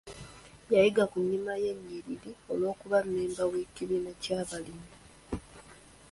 Yayiga ku nnima y'ennyiriri olw'okuba mmemba w'ekibiina ky'abalimi.